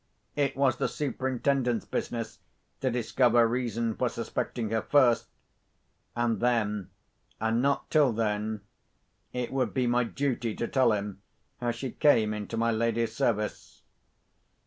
It was the Superintendent's business to discover reason for suspecting her first—and then, and not till then, it would be my duty to tell him how she came into my lady's service.